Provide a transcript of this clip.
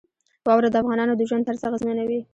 واوره د افغانانو د ژوند طرز اغېزمنوي.